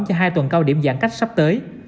cho hai tuần cao điểm giãn cách sắp tới